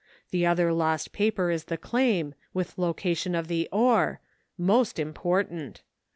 The other lost paper is the claim, with location of the ore — most impor tant.